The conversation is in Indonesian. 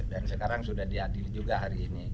dan sekarang sudah diadil juga hari ini